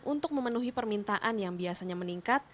untuk memenuhi permintaan yang biasanya meningkat